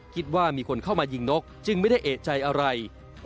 คิดว่ามีคนเข้ามายิงนกจึงไม่ได้เอกใจอะไร